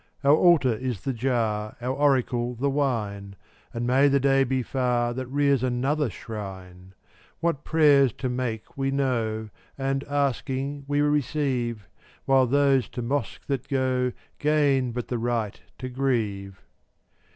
406 Our altar is the jar, Our oracle the wine, And may the day be far That rears another shrine. What prayers to make we know, And, asking, we receive, While those to mosque that go Gain but the right to grieve.